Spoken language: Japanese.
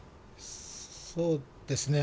そうですね。